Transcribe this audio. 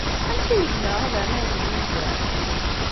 Amek ay zemreɣ ad rnuɣ deg lmizan?